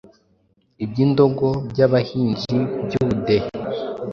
ibyidogo by’abahinzi b’ubudehe